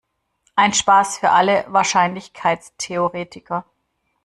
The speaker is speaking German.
Ein Spaß für alle Wahrscheinlichkeitstheoretiker.